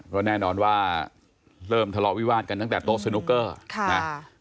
ก็แน่นอนว่าเริ่มทะเลาะวิวาดกันตั้งแต่โต๊ะสนุกเกอร์ค่ะนะ